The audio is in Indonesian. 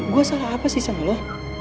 gue salah apa sih sama lo